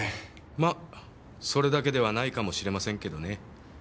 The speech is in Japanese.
まあそれだけではないかもしれませんけどね。